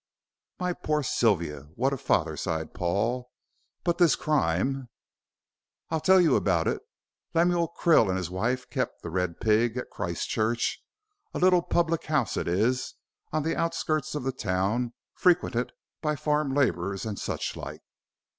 "My poor Sylvia, what a father," sighed Paul; "but this crime " "I'll tell you about it. Lemuel Krill and his wife kept 'The Red Pig' at Christchurch, a little public house it is, on the outskirts of the town, frequented by farm laborers and such like.